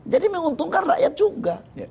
jadi menguntungkan rakyat juga